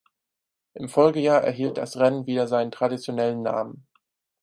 Im Folgejahr erhielt das Rennen wieder seinen traditionellen Namen.